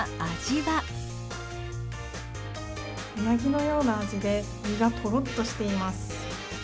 うなぎのような味で、身がとろっとしています。